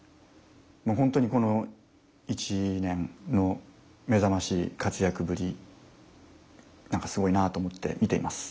ホントにこの１年の目覚ましい活躍ぶり何かすごいなと思って見ています。